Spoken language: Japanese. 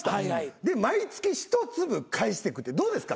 で毎月１粒返してくってどうですか？